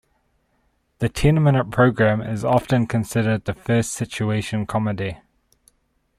The ten-minute program is often considered the first situation comedy.